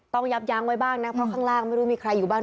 ยับยั้งไว้บ้างนะเพราะข้างล่างไม่รู้มีใครอยู่บ้าง